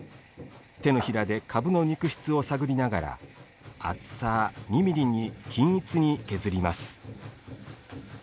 手のひらでかぶの肉質を探りながら厚さ２ｍｍに均一に削ります。